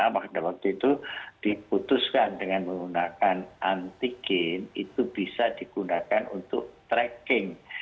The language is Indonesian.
maka waktu itu diputuskan dengan menggunakan antigen itu bisa digunakan untuk tracking